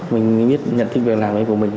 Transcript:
mình biết nhận thức việc làm của mình